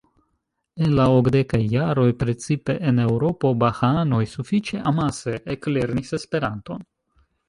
En la okdekaj jaroj precipe en Eŭropo bahaanoj sufiĉe amase eklernis Esperanton.